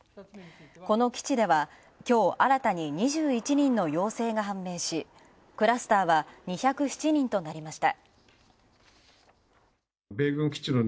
この基地では今日、新たに２１人の陽性が判明し、クラスターは２０７人となりました。